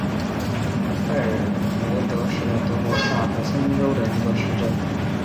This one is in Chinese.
拜尔罗德是德国萨克森州的一个市镇。